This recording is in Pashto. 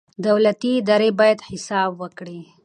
دولتي ادارې باید حساب ورکړي.